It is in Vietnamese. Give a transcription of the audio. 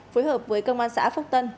phối hợp với cơ quan xã phúc tân